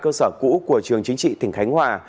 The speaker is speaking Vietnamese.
cơ sở cũ của trường chính trị tỉnh khánh hòa